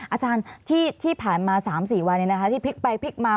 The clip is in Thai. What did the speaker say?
อาจารย์ที่ผ่านมา๓๔วันที่พลิกไปพลิกมา